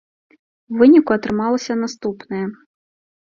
У выніку атрымалася наступнае.